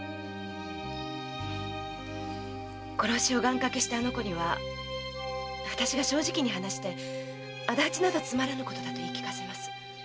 殺しを願掛けしたあの子にはあたしが正直に話して「仇討ちなどつまらぬことだ」と言い聞かせます。